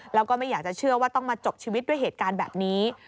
แล้วก็ไม่อยากจะเชื่อว่าต้องมาจบชีวิตด้วยเหตุการณ์แบบนี้